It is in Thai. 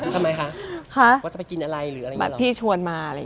ทำไมคะว่าจะไปกินอะไรหรืออะไรอย่างนี้หรือ